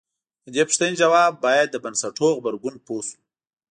د دې پوښتنې ځواب باید د بنسټونو غبرګون پوه شو.